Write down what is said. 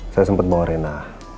saya sempat bawa rena